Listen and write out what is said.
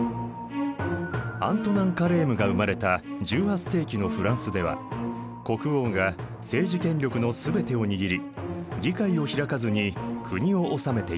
アントナン・カレームが生まれた１８世紀のフランスでは国王が政治権力のすべてを握り議会を開かずに国を治めていた。